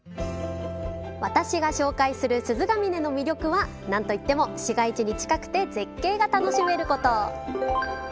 私が紹介する鈴ヶ峰の魅力は何と言っても市街地に近くて絶景が楽しめること。